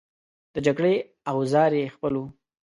د جګړې اوزار یې خپل وو.